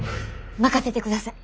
任せてください！